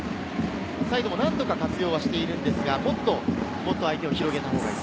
サイドも何とか活用しているんですが、もっと相手を広げた方がいい。